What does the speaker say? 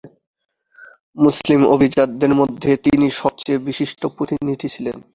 মুসলিম অভিজাতদের মধ্যে তিনি সবচেয়ে বিশিষ্ট প্রতিনিধি ছিলেন।